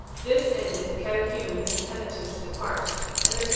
This ended, catechumens "and penitents depart, pare Hceres.